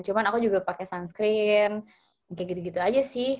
cuma aku juga pakai sunscreen kayak gitu gitu aja sih